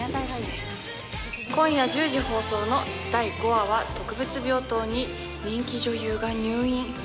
今夜１０時放送の第５話は、特別病棟に人気女優が入院。